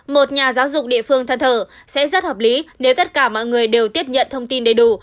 một nhà giáo dục địa phương thân thở sẽ rất hợp lý nếu tất cả mọi người đều tiếp nhận thông tin đầy đủ